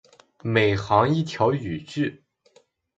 每行一条语句